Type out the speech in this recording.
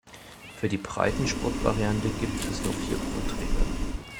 Für die Breitensport-Variante gibt es nur vier Grundregeln.